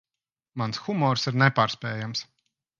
Mans humors ir nepārspējams.